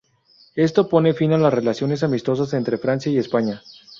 Esto pone fin a las relaciones amistosas entre Francia y España.